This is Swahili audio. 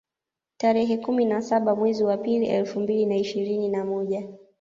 Tarehe kumi na saba mwezi wa pili elfu mbili na ishirini na moja